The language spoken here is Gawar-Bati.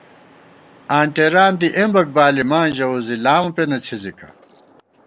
آنٹېران دی اېمبَک بالی ماں ژَوُس زی لامہ پېنہ څھِزِکا